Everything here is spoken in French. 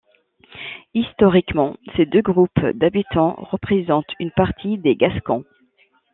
Historiquement, ces deux groupes d'habitants représentent une partie des Gascons.